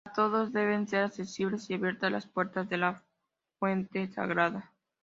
Para todos deben ser accesibles y abiertas las puertas de la fuente sagrada.